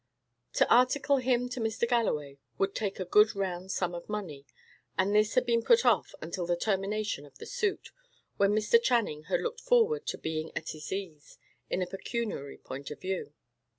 To article him to Mr. Galloway would take a good round sum of money; and this had been put off until the termination of the suit, when Mr. Channing had looked forward to being at his ease, in a pecuniary point of view.